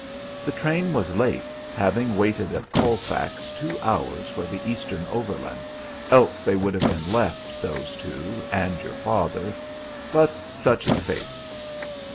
"The train was late, having waited at Colfax two hours for the Eastern Overland, else they would have been left, those two, and your father but such is fate!